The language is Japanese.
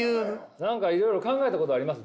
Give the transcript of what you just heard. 何かいろいろ考えたことあります？